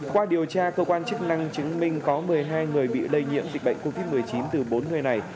qua điều tra cơ quan chức năng chứng minh có một mươi hai người bị lây nhiễm dịch bệnh covid một mươi chín từ bốn người này